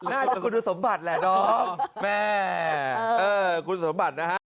น่าจะคุณสมบัติแหละดอมแม่เออคุณสมบัตินะฮะ